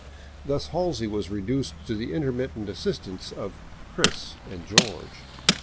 Thus Halsey was reduced to the intermittent assistance of " Chris " and George.